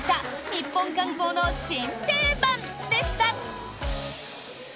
ニッポン観光の新定番でした。